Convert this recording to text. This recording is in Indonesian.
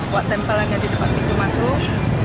buat tempel aja di depan pintu masuk